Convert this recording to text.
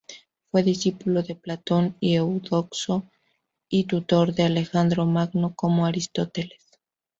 Fue discípulo de Platón y Eudoxo, y tutor de Alejandro Magno, como Aristóteles.